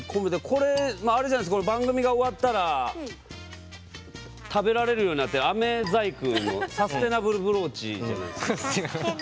これ、番組が終わったら食べられるようになってるあめ細工のサステナブルブローチ。